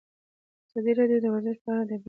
ازادي راډیو د ورزش په اړه د عبرت کیسې خبر کړي.